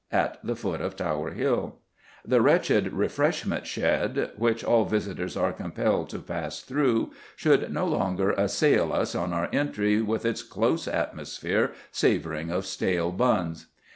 at the foot of Tower Hill; the wretched refreshment shed, which all visitors are compelled to pass through, should no longer assail us on our entry with its close atmosphere savouring of stale buns.